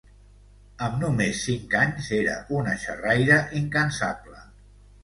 Amb només cinc anys era una xarraire incansable.